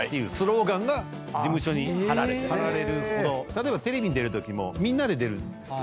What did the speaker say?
例えばテレビに出るときもみんなで出るんですよ。